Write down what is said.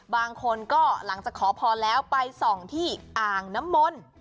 บางคนก็หลังจากขอพรแล้วไปส่องที่อ่างน้ำมนต์